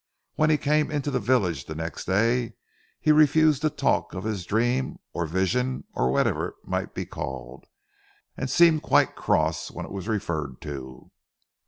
When he came into the village the next day, he refused to talk of his dream or vision or whatever it might be called, and seemed quite cross when it was referred to.